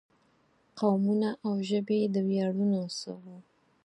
قومونه او ژبې د ویاړونو څه وو.